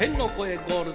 ゴールド。